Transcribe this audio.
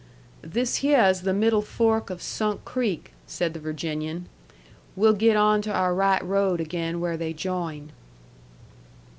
"This hyeh's the middle fork of Sunk Creek," said the Virginian. "We'll get on to our right road again where they join."